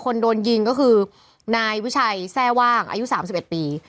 คนโดนยิงก็คือนายวิชัยแทร่ว่างอายุสามสิบเอ็ดปี